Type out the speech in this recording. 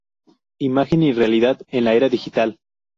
Imagen y realidad en la era digital.